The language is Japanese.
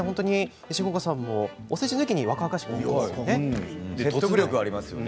石郷岡さんも、お世辞抜きに若々しく見えますよね。